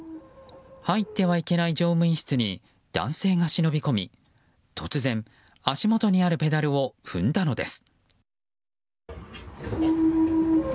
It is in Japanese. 入ってはいけない乗務員室に男性が忍び込み突然、足元にあるペダルを踏んだのです。